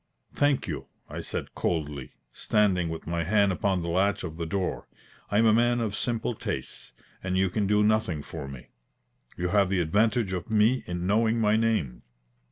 "Thank you," I said coldly, standing with my hand upon the latch of the door. "I am a man of simple tastes, and you can do nothing for me. You have the advantage of me in knowing my name."